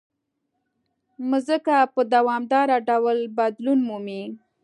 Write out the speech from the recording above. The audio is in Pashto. مځکه په دوامداره ډول بدلون مومي.